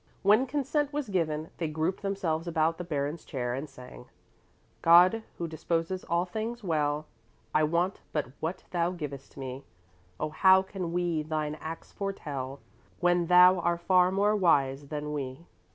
When consent was given, they grouped themselves about the Baron's chair and sang: God, Who disposes all things well, I want but what Thou givest me. Oh how can we Thine acts foretell, When Thou are far more wise than we?